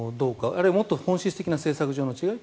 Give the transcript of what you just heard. あるいはもっと本質的な政策上の違い。